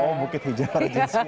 oh bukit hijau regensi ya